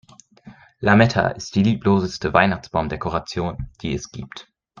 Lametta ist die liebloseste Weihnachtsbaumdekoration, die es gibt.